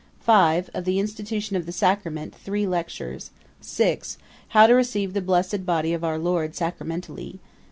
5. Of the institution of the sacrament, three lectures. 6. How to receive the blessed body of our Lord sacramentally.